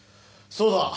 そうだ。